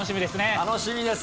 楽しみです。